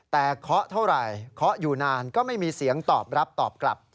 แต่เคาะเท่าไหร่เคาะอยู่นานก็ไม่มีเสียงตอบรับตอบกลับ